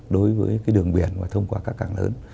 đối với đường biển và thông qua các cảng lớn